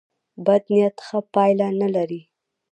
بد نیت ښه پایله نه لري.